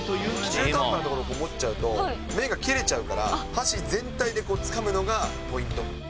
中途半端なところで持っちゃうと麺が切れちゃうから、箸全体でつかむのがポイント。